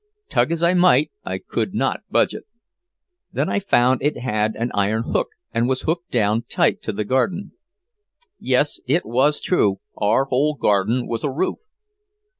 Tug as I might, I could not budge it. Then I found it had an iron hook and was hooked down tight to the garden. Yes, it was true, our whole garden was a roof!